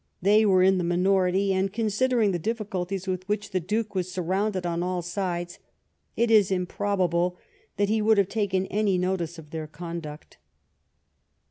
They were in the minority ; and, considering the difficulties with which the Duke was surrounded on all sides, it is improbable that he would have taken any notice of their conduct.